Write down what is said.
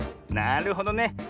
なるほどね。